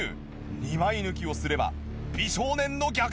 ２枚抜きをすれば美少年の逆転勝利。